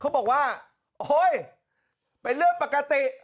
เขาบอกว่าเฮ้ยเป็นเรื่องปกติ